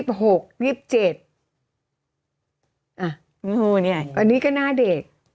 อันนี้ก็หน้าเด็ก